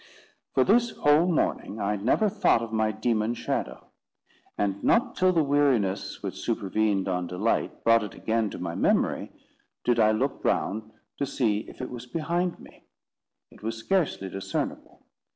For this whole morning I never thought of my demon shadow; and not till the weariness which supervened on delight brought it again to my memory, did I look round to see if it was behind me: it was scarcely discernible.